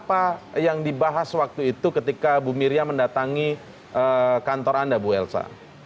apa yang dibahas waktu itu ketika bu miriam mendatangi kantor anda bu elsa